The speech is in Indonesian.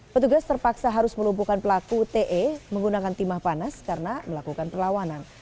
petugas terpaksa harus melumpuhkan pelaku te menggunakan timah panas karena melakukan perlawanan